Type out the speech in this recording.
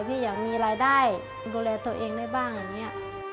พี่อยากมีรายได้ดูแลตัวเองได้บ้างอย่างนี้